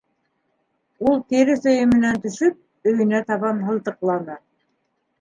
Ул, тиреҫ өйөмөнән төшөп, өйөнә табан һылтаҡланы.